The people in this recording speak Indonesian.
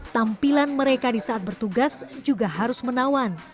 tampilan mereka di saat bertugas juga harus menawan